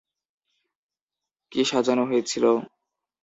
কি সাজানো হয়েছিল?